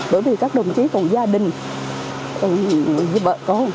bởi vì các đồng chí còn gia đình còn người như vợ cô